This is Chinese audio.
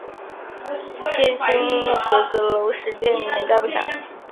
天心阁阁楼始建年代不详。